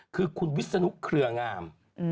คือคุณวิศนุเครืองาม